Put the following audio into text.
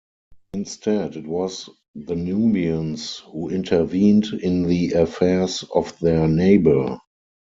Instead it was the Nubians who intervened in the affairs of their neighbour.